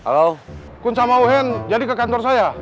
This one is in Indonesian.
kau sama ohen jadi ke kantor saya